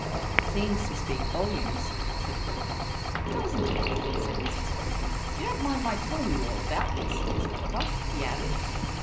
"It seems to speak volumes," said Philippa. "Doesn't it?" said Mr. Spillikins. "You don't mind my telling you all about this Miss Philippa?" he added.